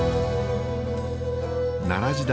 奈良時代